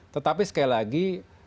tetapi sekali lagi